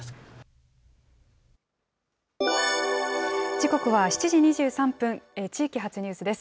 時刻は７時２３分、地域発ニュースです。